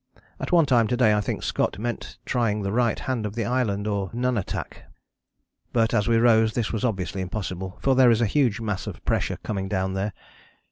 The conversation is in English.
At one time to day I think Scott meant trying the right hand of the island or nunatak, but as we rose this was obviously impossible, for there is a huge mass of pressure coming down there.